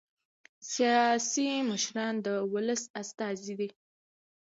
سیاسي مشران د ولس استازي دي